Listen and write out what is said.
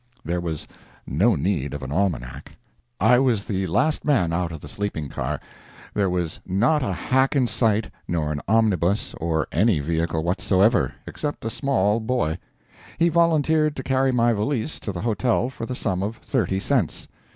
There was no need of an almanac. I was the last man out of the sleeping car. There was not a hack in sight nor an omnibus or any vehicle whatsoever, except a small boy. He volunteered to carry my valise to the hotel for the sum of thirty cents.